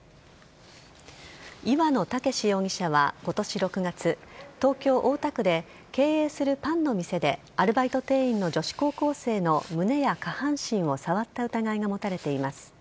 岩野武容疑者は今年６月東京・大田区で経営するパンの店でアルバイト店員の女子高校生の胸や下半身を触った疑いが持たれています。